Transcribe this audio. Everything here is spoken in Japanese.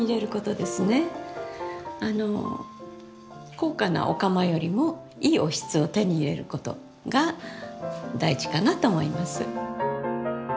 高価なお釜よりもいいおひつを手に入れることが大事かなと思います。